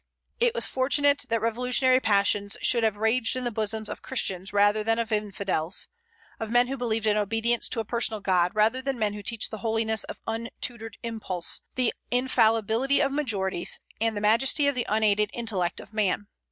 It was fortunate that revolutionary passions should have raged in the bosoms of Christians rather than of infidels, of men who believed in obedience to a personal God, rather than men who teach the holiness of untutored impulse, the infallibility of majorities, and the majesty of the unaided intellect of man.